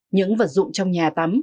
những vật dụng trong nhà tắm